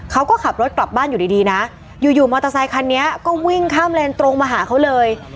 เขาก็ขับรถกลับบ้านอยู่ดีนะอยู่อยู่มอเตอร์ไซคันนี้ก็วิ่งข้ามเลนตรงมาหาเขาเลย